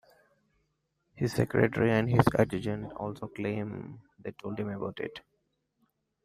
His secretary and his adjutant also claim they told him about it.